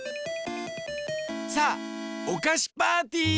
さあおかしパーティー！